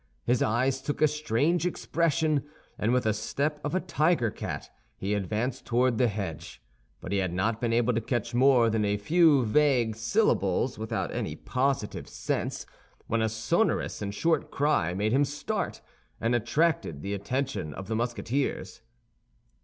His eyes took a strange expression, and with the step of a tiger cat he advanced toward the hedge; but he had not been able to catch more than a few vague syllables without any positive sense, when a sonorous and short cry made him start, and attracted the attention of the Musketeers.